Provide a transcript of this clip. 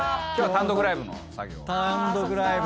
単独ライブ作業。